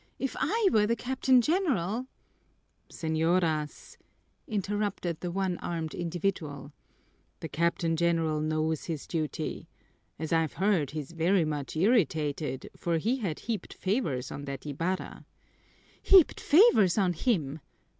If I were the Captain General " "Señoras," interrupted the one armed individual, "the Captain General knows his duty. As I've heard, he's very much irritated, for he had heaped favors on that Ibarra." "Heaped favors on him!"